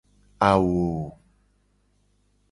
Awo.